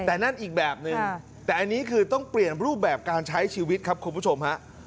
แต่นั่นอีกแบบนึงแต่อันนี้คือต้องเปลี่ยนรูปแบบการใช้ชีวิตครับคุณผู้ชมฮะ